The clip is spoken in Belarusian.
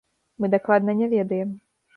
Мы дакладна не ведаем.